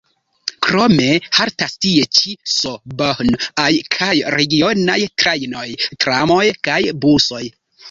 Krome haltas tie ĉi S-Bahn-aj kaj regionaj trajnoj, tramoj kaj busoj.